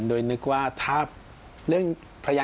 ด้วย